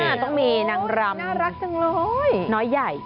ต้องมีนางรำน่ารักจังเลยน้อยใหญ่